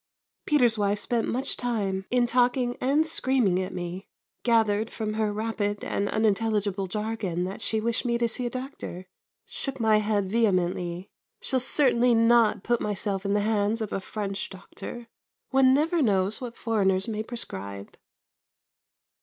Peter's wife spent much time in talking and screaming at me. Gathered from her rapid and unintelligible jargon that she wished me to see a doctor. Shook my head vehemently. Shall certainly not put myself in the hands of a French doctor. One never knows what foreigners may prescribe.